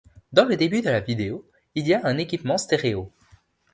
Dans le début de la vidéo, il y a un équipement stéréo.